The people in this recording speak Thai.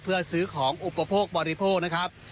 เพื่อซื้อของอุปโภคบริโภคนะครับ